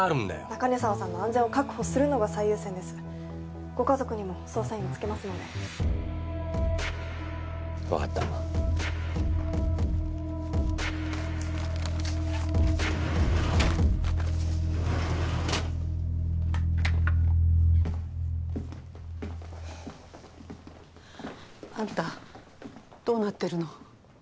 中根沢さんの安全を確保するのが最優先ですご家族にも捜査員をつけますので分かったあんたどうなってるの？